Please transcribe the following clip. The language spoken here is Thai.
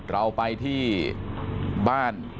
เราไปที่บ้าน